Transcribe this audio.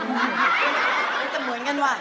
มันจะเหมือนกันว่ะ